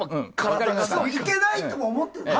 いけないとは思ってない。